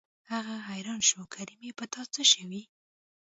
هغه حيران شو کریمې په تا څه شوي.